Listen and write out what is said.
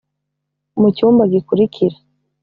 mucyumba gikurikira